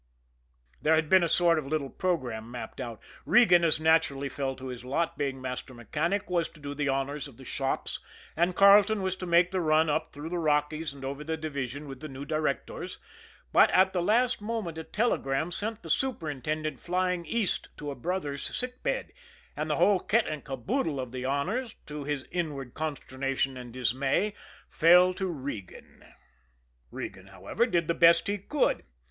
There had been a sort of little programme mapped out. Regan, as naturally fell to his lot, being master mechanic, was to do the honors of the shops, and Carleton was to make the run up through the Rockies and over the division with the new directors: but at the last moment a telegram sent the superintendent flying East to a brother's sick bed, and the whole kit and caboodle of the honors, to his inward consternation and dismay, fell to Regan. Regan, however, did the best he could.